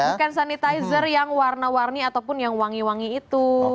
bukan sanitizer yang warna warni ataupun yang wangi wangi itu